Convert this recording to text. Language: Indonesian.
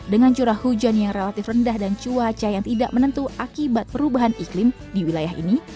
dengan curah hujan yang relatif rendah dan cuaca yang tidak menentu akibat perubahan iklim di wilayah ini